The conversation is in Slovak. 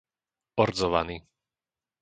Ordzovany